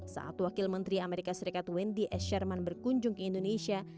saat wakil menteri amerika serikat wendy sherman berkunjung ke indonesia